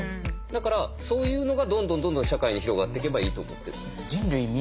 だからそういうのがどんどんどんどん社会に広がっていけばいいと思ってる。